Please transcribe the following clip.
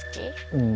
うん。